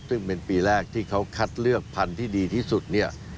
ซึ่งเป็นปีแรกที่เขาคัดเลือกพันธุ์ที่ดีที่สุดเนี่ย